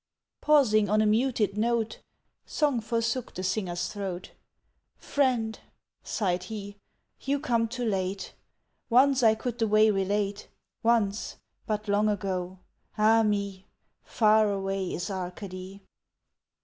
Pausing on a muted note, Song forsook the Singer's throat, "Friend," sighed he, "you come too late, Once I could the way relate, Once but long ago; Ah me, Far away is Arcady!"